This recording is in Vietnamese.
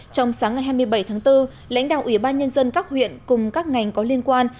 trong sáng ngày hai mươi bảy tháng bốn lãnh đạo ủy ban nhân dân các huyện cùng các ngành có liên quan